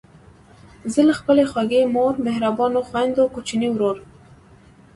زه له خپلې خوږې مور، مهربانو خویندو، کوچني ورور،